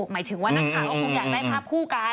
หมายถึงว่านักขาวคงอยากได้ภาพผู้กรรม